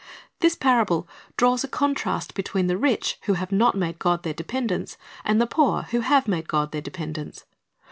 This parable draws a contrast between the rich who have not made God their dependence, and the poor who have made God their dependence.